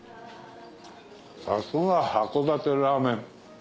さすが函館ラーメン。